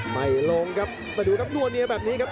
ไปลงกับมาดูกับนวดเหนี่ยแบบนี้กับ